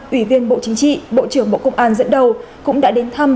ủy viên bộ chính trị bộ trưởng bộ công an dẫn đầu cũng đã đến thăm